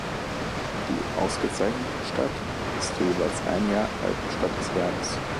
Die „ausgezeichnete“ Stadt ist für jeweils ein Jahr Alpenstadt des Jahres.